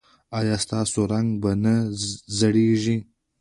ایا ستاسو رنګ به نه زیړیږي؟